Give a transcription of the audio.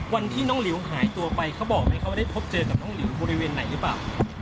วันที่น้องเหลวหายตัวไปบ่วนไหมเขาไม่ได้เจอกับน้องเหลวบริเวณไหนหรือเปล่า